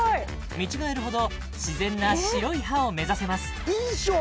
見違えるほど自然な白い歯を目指せます印象